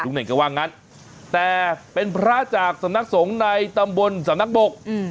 ลุงเน่งแกว่างั้นแต่เป็นพระจากสนักสงในตำบลสนักบกอืม